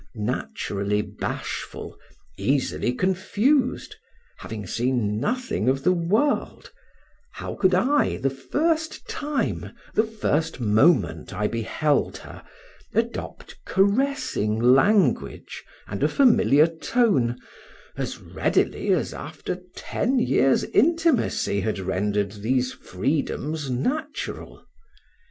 Naturally bashful, easily confused, having seen nothing of the world, could I, the first time, the first moment I beheld her, adopt caressing language, and a familiar tone, as readily as after ten years' intimacy had rendered these freedoms natural?